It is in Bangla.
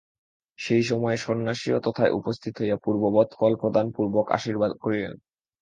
সেই সময়ে সন্ন্যাসীও তথায় উপস্থিত হইয়া পূর্ববৎ ফল প্রদানপূর্বক আশীর্বাদ করিলেন।